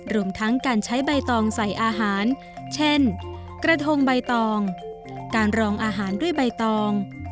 รวมทั้งการใช้ใบตองใส่อาหารเช่นกระทงใบตองการรองอาหารด้วยใบตอง